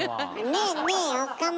ねえねえ岡村。